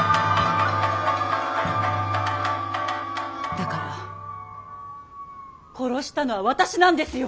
だから殺したのは私なんですよ。